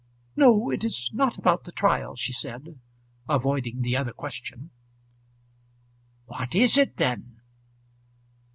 "No; it is not about the trial," she said, avoiding the other question. "What is it then?"